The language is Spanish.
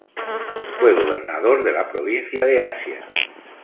Fue gobernador de la provincia de Asia.